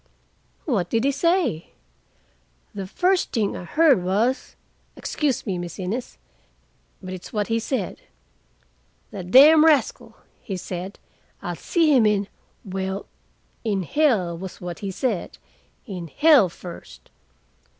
"What did he say?" "The first thing I heard was—excuse me, Miss Innes, but it's what he said, 'The damned rascal,' he said, 'I'll see him in'—well, in hell was what he said, 'in hell first.